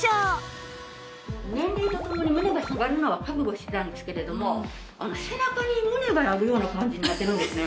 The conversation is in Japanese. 年齢と共に胸が下がるのは覚悟してたんですけれども背中に胸があるような感じになってるんですね。